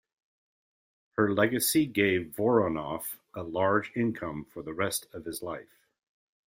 Her legacy gave Voronoff a large income for the rest of his life.